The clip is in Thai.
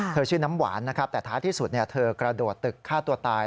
ชื่อน้ำหวานนะครับแต่ท้ายที่สุดเธอกระโดดตึกฆ่าตัวตาย